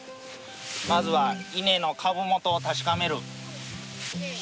まずは稲の株元を確かめる。